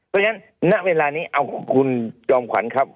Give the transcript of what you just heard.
เพราะฉะนั้นณเวลานี้เอาคุณจอมขวัญครับ